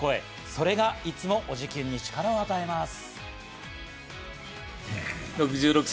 それがいつも、おじキュン！に力を与えます。